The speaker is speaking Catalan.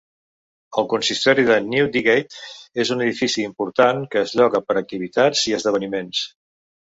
El consistori de Newdigate és un edifici important que es lloga per a activitats i esdeveniments.